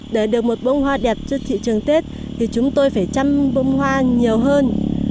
để được một bông hoa đẹp cho thị trường tết thì chúng tôi phải chăm bông hoa nhiều hơn